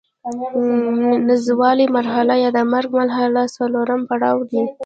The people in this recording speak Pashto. نزولي مرحله یا د مرګ مرحله څلورم پړاو دی.